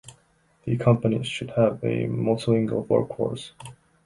The companies should have a multilingual workforce.